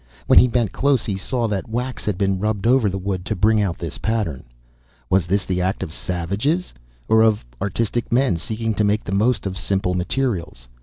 When he bent close he saw that wax had been rubbed over the wood to bring out this pattern. Was this the act of savages or of artistic men seeking to make the most of simple materials?